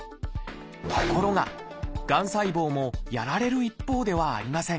ところががん細胞もやられる一方ではありません。